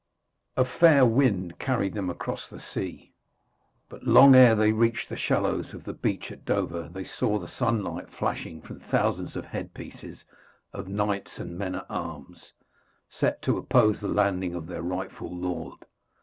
A fair wind carried them across the sea, but long ere they reached the shallows of the beach at Dover they saw the sunlight flashing from thousands of headpieces of knights and men at arms, set to oppose the landing of their rightful lord.